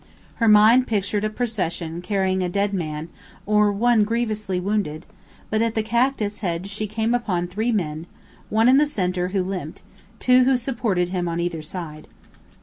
Her mind pictured a procession carrying a dead man, or one grievously wounded; but at the cactus hedge she came upon three men one in the centre, who limped, two who supported him on either side.